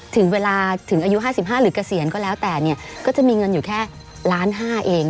ถึงอายุ๕๕หรือเกษียณก็แล้วแต่ก็จะมีเงินอยู่แค่ล้านห้าเอง